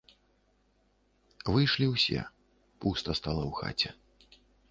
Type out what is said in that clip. Выйшлі ўсе, пуста стала ў хаце.